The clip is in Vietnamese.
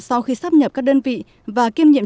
sau khi sắp nhập các đơn vị và kiêm nhiệm